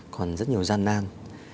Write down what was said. còn rất nhiều gian nan